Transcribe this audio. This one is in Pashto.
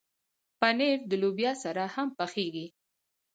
پنېر د لوبیا سره هم پخېږي.